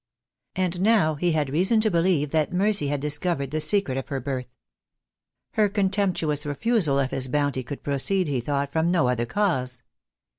And now he had reason to believe that Mercy had discovered the secret of her birth. Her contemptuous refusal of his bounty could proceed, he thought, from no other cause.